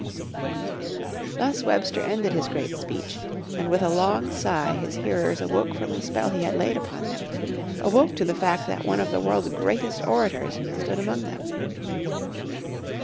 Thus Webster ended his great speech, and with a long sigh his hearers awoke from the spell he had laid upon them, awoke to the fact that one of the world's greatest orators stood among them.